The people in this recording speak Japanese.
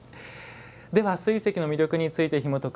では、水石の魅力についてひもとく